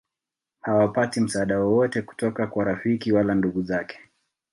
hawapati msaada wowote kutoka kwa rafiki wala ndugu zake